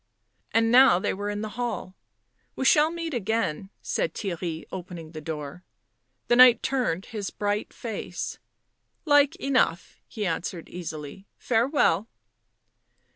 And now they were in the hall. " We shall meet again," said Theirry, opening the door. The Knight turned his bright face. " Like enough," he answered easily. " Farewell."